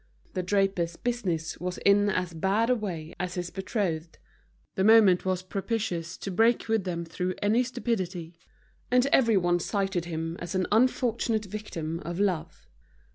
The draper's business was in as bad a way as his betrothed; the moment was propitious to break with them through any stupidity. And everyone cited him as an unfortunate victim of love.